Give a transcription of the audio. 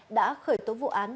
đã khởi tố vụ án